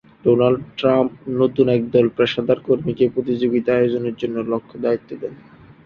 Donald Trump নতুন একদল পেশাদার কর্মীকে প্রতিযোগিতা আয়োজনের লক্ষ্যে দায়িত্ব দেন।